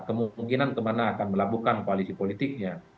kemungkinan kemana akan melabuhkan koalisi politiknya